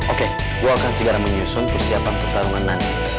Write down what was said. oke gue akan segera menyusun persiapan pertarungan nanti